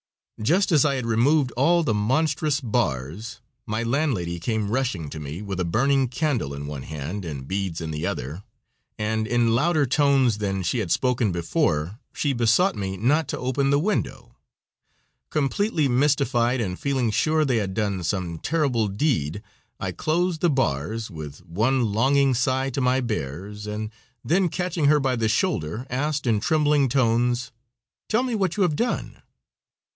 Just as I had removed all the monstrous bars, my landlady came rushing to me, with a burning candle in one hand and beads in another, and in louder tones than she had spoken before she besought me not to open the window. Completely mystified and feeling sure they had done some terrible deed, I closed the bars, with one longing sigh to my "bears," and then catching her by the shoulder, asked, in trembling tones: "Tell me, what have you done?"